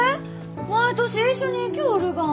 毎年一緒に行きょうるがん。